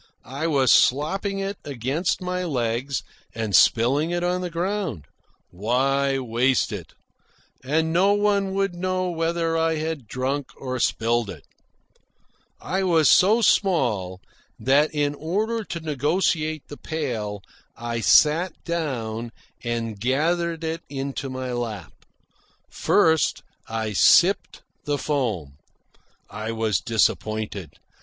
I was slopping it against my legs and spilling it on the ground. Why waste it? And no one would know whether I had drunk or spilled it. I was so small that, in order to negotiate the pail, I sat down and gathered it into my lap. First I sipped the foam. I was disappointed.